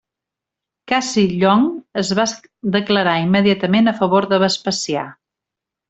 Cassi Llong es va declarar immediatament a favor de Vespasià.